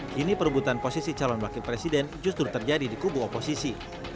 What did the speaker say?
kini perebutan posisi calon wakil presiden justru terjadi di kubu oposisi